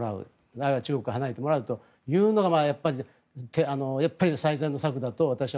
あるいは中国から離れてもらうというのがやっぱり最善の策だと、私は。